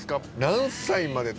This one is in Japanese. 何歳まで。